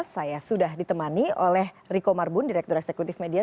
saya sudah ditemani oleh riko marbun direktur eksekutif media